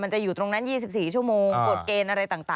จะอยู่ตรงนั้น๒๔ชั่วโมงกฎเกณฑ์อะไรต่าง